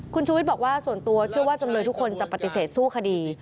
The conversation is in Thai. คุณชูวิทย์บอกว่าส่วนตัวเชื่อว่าจำเลยทุกคนจะปฏิเสธสู้คดี